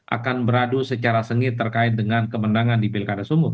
akan beradu secara sengit terkait dengan kemenangan di pilkada sumut